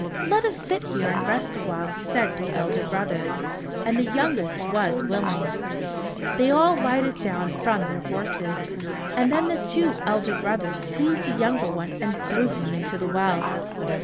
"Let us sit here and rest awhile," said the elder brothers, and the youngest was willing. They all lighted down from their horses, and then the two elder brothers seized the younger one and threw him into the well.